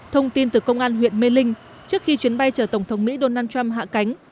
thông tin từ công an huyện mê linh trước khi chuyến bay chở tổng thống mỹ donald trump hạ cánh